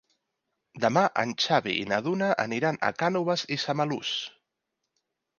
Demà en Xavi i na Duna aniran a Cànoves i Samalús.